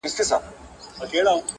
o خپله خوله هم کلا ده، هم بلا٫